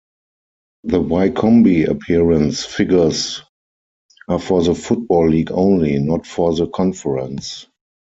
The Wycombe appearance figures are for the Football League only, not for the Conference.